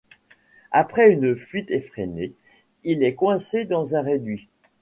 Après une fuite effrénée, il est coincé dans un réduit.